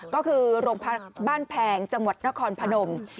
ก็คือโรงพักบ้านแพงจังหวัดนครพนม